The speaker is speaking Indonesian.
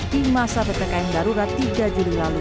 di masa ppkm darurat tiga juli lalu